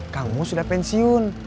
kang mus udah pensiun